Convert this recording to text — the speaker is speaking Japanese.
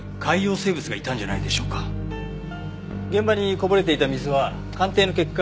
現場にこぼれていた水は鑑定の結果